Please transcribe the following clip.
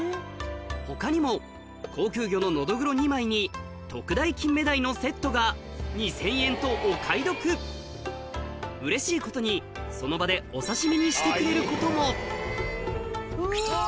他にも高級魚ののどぐろ２枚に特大金目鯛のセットが２０００円とお買い得うれしいことにその場でこともうわ！